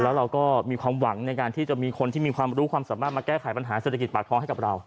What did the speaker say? แล้วเราก็มีความหวังในการที่จะมีคนที่มีความรู้ความสามารถมาแก้ไขปัญหาเศรษฐกิจปากท้องให้กับเรา